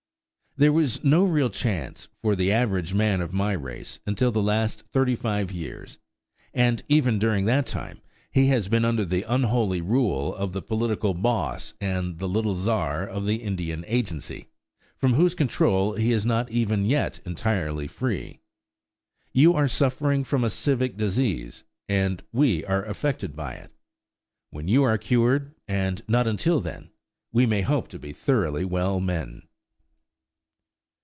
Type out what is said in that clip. There was no real chance for the average man of my race until the last thirty five years; and even during that time he has been under the unholy rule of the political boss and "little czar" of the Indian agency, from whose control he is not even yet entirely free. You are suffering from a civic disease, and we are affected by it. When you are cured, and not until then, we may hope to be thoroughly well men.